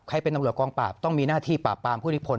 ใครเป็นตำรวจกองปราบต้องมีหน้าที่ปราบปรามผู้ที่พล